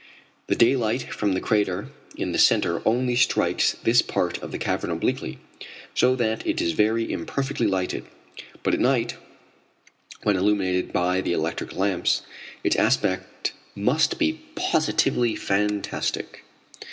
The daylight from the crater in the centre only strikes this part of the cavern obliquely, so that it is very imperfectly lighted, but at night, when illuminated by the electric lamps, its aspect must be positively fantastic.